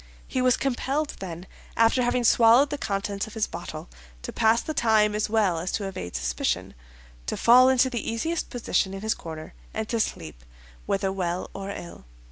He was compelled, then, after having swallowed the contents of his bottle, to pass the time as well as to evade suspicion, to fall into the easiest position in his corner and to sleep, whether well or ill.